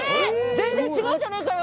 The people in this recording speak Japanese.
全然違うじゃねえかよ。